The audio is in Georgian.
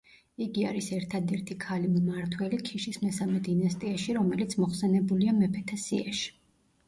იგი არის ერთადერთი ქალი მმართველი ქიშის მესამე დინასტიაში, რომელიც მოხსენებულია მეფეთა სიაში.